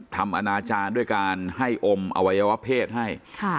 อนาจารย์ด้วยการให้อมอวัยวะเพศให้